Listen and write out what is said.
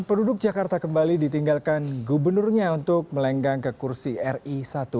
penduduk jakarta kembali ditinggalkan gubernurnya untuk melenggang ke kursi ri satu